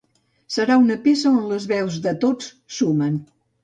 Serà una peça on les veus de tots sumen.